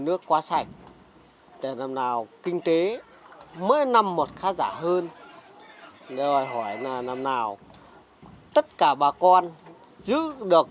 nước quá sạch năm nào kinh tế mới nằm một khá giả hơn rồi hỏi là năm nào tất cả bà con giữ được